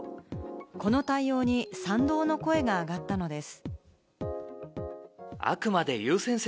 この対応に賛同の声が上がったのです。